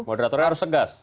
moderatornya harus tegas